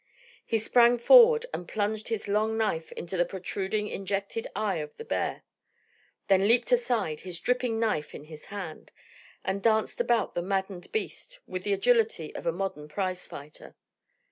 He sprang forward and plunged his long knife into the protruding injected eye of the bear, then leaped aside, his dripping knife in his hand, and danced about the maddened beast with the agility of a modern prize fighter.